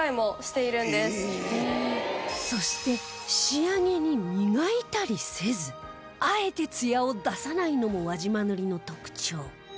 そして仕上げに磨いたりせずあえてツヤを出さないのも輪島塗の特徴